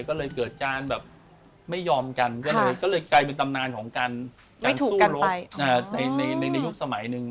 ก็เลยเกิดการแบบไม่ยอมกันก็เลยกลายเป็นตำนานของการสู้รบในยุคสมัยหนึ่ง